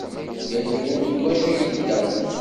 Yal yiwen deg wacu i yenta.